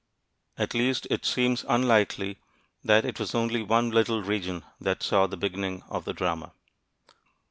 At least, it seems unlikely that it was only one little region that saw the beginning of the drama.